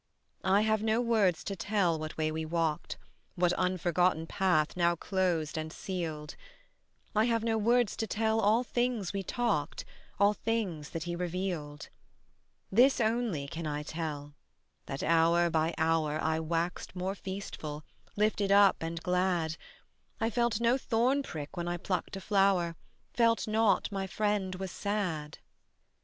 I have no words to tell what way we walked, What unforgotten path now closed and sealed; I have no words to tell all things we talked, All things that he revealed: This only can I tell: that hour by hour I waxed more feastful, lifted up and glad; I felt no thorn prick when I plucked a flower, Felt not my friend was sad.